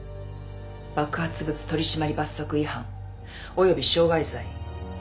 爆発物取締罰則違反および傷害罪。